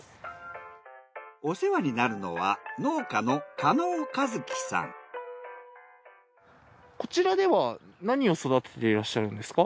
お世話になるのは農家のこちらでは何を育てていらっしゃるんですか？